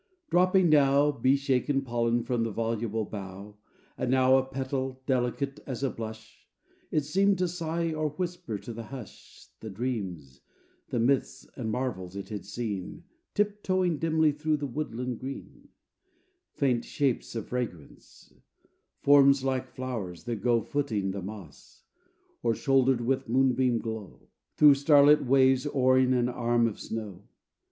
Dropping now Bee shaken pollen from the voluble bough, And now a petal, delicate as a blush, It seemed to sigh or whisper to the hush The dreams, the myths and marvels it had seen Tip toeing dimly through the woodland green: Faint shapes of fragrance; forms like flowers, that go Footing the moss; or, shouldered with moonbeam glow, Through starlit waves oaring an arm of snow.